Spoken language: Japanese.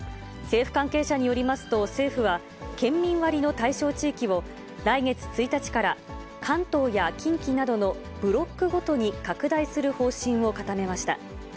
政府関係者によりますと、政府は、県民割の対象地域を来月１日から、関東や近畿などのブロックごとに拡大する方針を固めました。